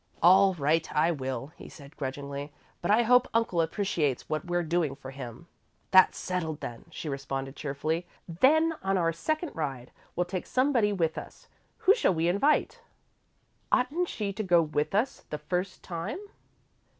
"All right I will," he said, grudgingly. "But I hope Uncle appreciates what we're doing for him." "That's settled, then," she responded, cheerfully. "Then, on our second ride, we'll take somebody with us. Who shall we invite?" "Oughtn't she to go with us the first time?"